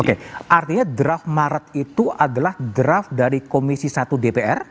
oke artinya draft maret itu adalah draft dari komisi satu dpr